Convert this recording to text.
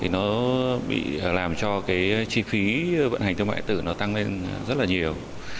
nó làm cho chi phí vận hành thương mại điện tử tăng lên rất nhiều